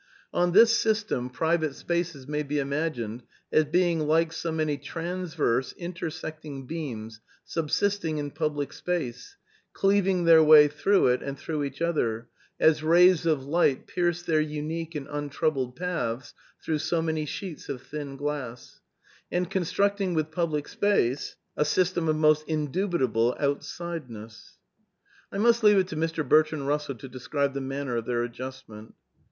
On this system private spaces may be imagined as being like so many transverse, intersecting beams subsisting in public space, cleaving their way through it and through each other (as rays of light pierce their unique and un troubled paths through so many sheets of thin glass), and constructing with public space a system of most indu bitable outsideness. I must leave it to Mr. Bertrand Eussell to describe the manner of their adjustment.